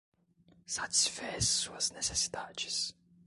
Satisfez suas necessidades